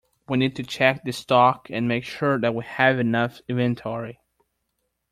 We need to check the stock, and make sure that we have enough inventory